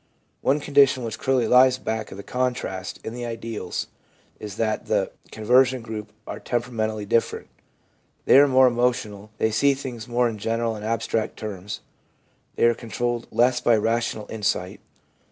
One condition which clearly lies back of the contrast in the ideals is that the conversion group are tempera mentally different. They are more emotional ; they see things more in general and abstract terms ; they are controlled less by rational insight.